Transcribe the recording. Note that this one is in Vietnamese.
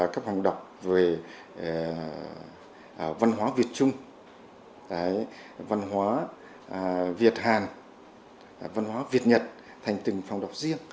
cấp hàng đọc về văn hóa việt trung văn hóa việt hàn văn hóa việt nhật thành từng phòng đọc riêng